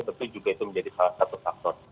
tentu juga itu menjadi salah satu faktor